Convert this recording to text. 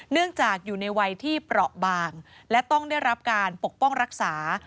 เนื่องจากอยู่ในวัยที่เปราะบางและต้องได้รับการปกป้องรักษา